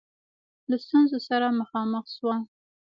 له ستونزو سره مخامخ سوه.